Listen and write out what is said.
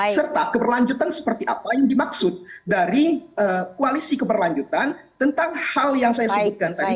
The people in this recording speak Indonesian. serta keberlanjutan seperti apa yang dimaksud dari koalisi keberlanjutan tentang hal yang saya sebutkan tadi